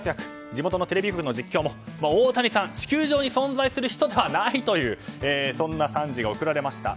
地元のテレビ局の実況もオオタニサンは地球上に存在する人ではないというそんな賛辞が贈られました。